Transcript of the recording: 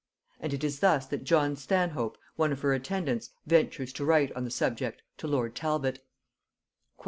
and it is thus that John Stanhope, one of her attendants, ventures to write on the subject to lord Talbot.